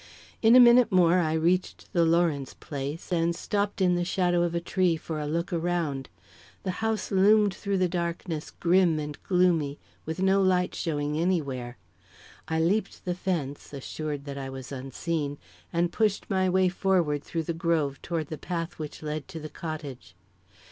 In a minute more I reached the Lawrence place, and stopped in the shadow of a tree for a look around. The house loomed through the darkness grim and gloomy, with no light showing anywhere. I leaped the fence, assured that I was unseen, and pushed my way forward through the grove toward the path which led to the cottage.